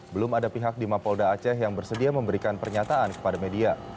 belum ada pihak di mapolda aceh yang bersedia memberikan pernyataan kepada media